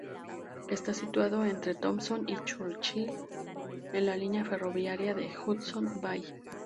Está situado entre Thompson y Churchill en la línea ferroviaria de Hudson Bay.